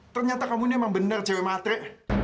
ternyata kamu ini emang bener cewek matre